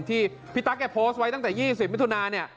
ที่พี่ตั๊กแกโพสต์ไว้ตั้งแต่๒๐มิถุนาเนี่ย